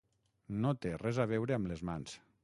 No té res a veure amb les mans.